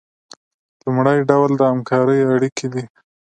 لومړی ډول د همکارۍ اړیکې دي.